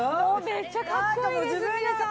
めっちゃかっこいいですみれさん。